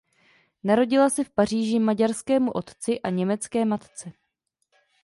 Narodila se v Paříži maďarskému otci a německé matce.